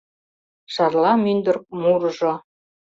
Шарла мӱндырк мурыжо.